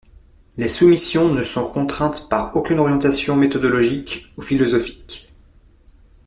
Les soumissions ne sont contraintes par aucune orientation méthodologique ou philosophique.